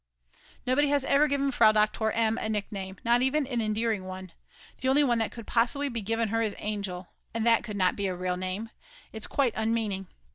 Nobody has ever given Frau Doktor M. a nickname, not even an endearing one. The only one that could possibly be given to her is Angel, and that could not be a real name, it's quite unmeaning.